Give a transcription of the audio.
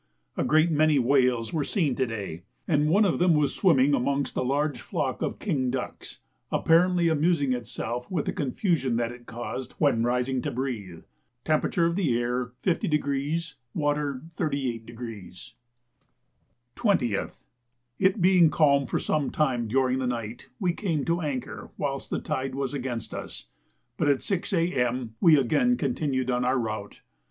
A great many whales were seen to day, and one of them was swimming amongst a large flock of king ducks, apparently amusing itself with the confusion that it caused when rising to breathe. Temperature of the air 50° water 38°. 20th. It being calm for some time during the night, we came to anchor whilst the tide was against us; but at 6 A.M. we again continued our route.